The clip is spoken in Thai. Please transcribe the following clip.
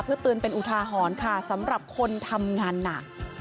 เพื่อเตือนเป็นอุทาหรณ์ค่ะสำหรับคนทำงานหนัก